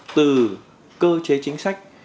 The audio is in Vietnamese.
từ cơ chế chính sách